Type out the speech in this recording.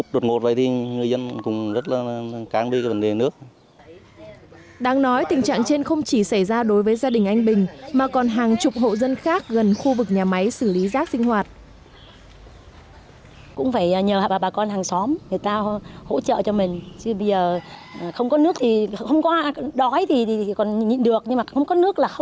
đang nói tình trạng trên không chỉ xảy ra đối với gia đình anh bình mà còn hàng chục hộ dân khác gần khu vực nhà máy xử lý rác sinh hoạt